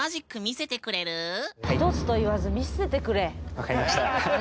分かりました。